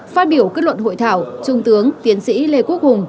phát biểu kết luận hội thảo trung tướng tiến sĩ lê quốc hùng